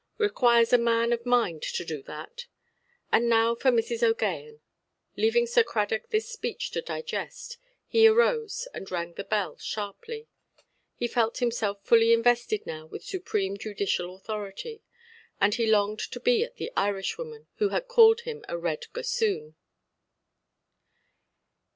Requires a man of mind to do that. And now for Mrs. OʼGaghan"! Leaving Sir Cradock this speech to digest, he arose and rang the bell sharply. He felt himself fully invested now with supreme judicial authority, and he longed to be at the Irishwoman, who had called him a "red gossoon".